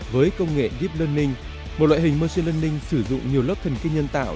với công nghệ deep learning một loại hình marce learning sử dụng nhiều lớp thần kinh nhân tạo